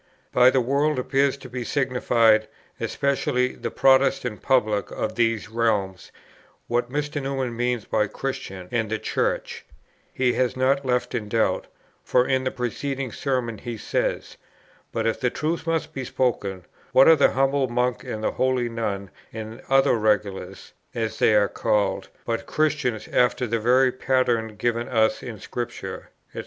By the world appears to be signified, especially, the Protestant public of these realms; what Dr. Newman means by Christians, and the Church, he has not left in doubt; for in the preceding Sermon he says: 'But if the truth must be spoken, what are the humble monk and the holy nun, and other regulars, as they are called, but Christians after the very pattern given us in Scripture, &c.'....